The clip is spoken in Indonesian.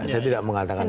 saya tidak mengatakan itu